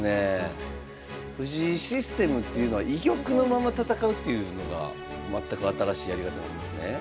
藤井システムっていうのは居玉のまま戦うっていうのが全く新しいやり方なんですね。